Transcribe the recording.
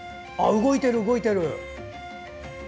動いてる、動いてる。